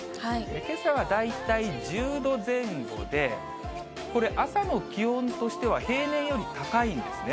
けさは大体１０度前後で、これ、朝の気温としては平年より高いんですね。